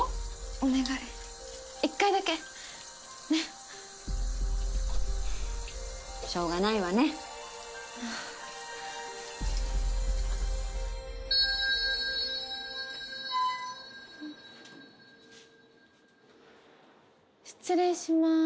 お願い一回だけねっしょうがないわね失礼します